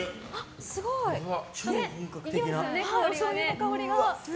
すごい、おしょうゆの香りが。